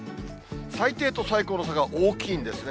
最低と最高の差が大きいんですね。